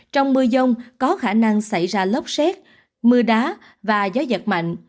trong mưa dông có khả năng xảy ra lốc xét mưa đá và gió giật mạnh